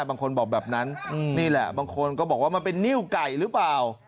บางคนบอกแบบนั้นนี่แหละบางคนก็บอกว่ามันเป็นนิ้วไก่หรือเปล่า